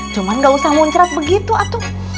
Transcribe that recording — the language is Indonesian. cuman gausah muncrat begitu atuh